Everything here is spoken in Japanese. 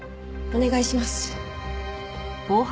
お願いします。